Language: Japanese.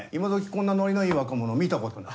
こんなノリのいい若者見たことないよ。